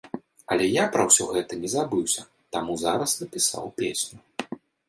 Але я пра ўсё гэта не забыўся, таму зараз напісаў песню.